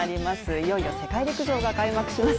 いよいよ世界陸上が開幕します。